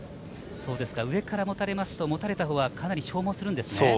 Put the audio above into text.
上から持たれますと持たれたほうは、かなり消耗するんですね。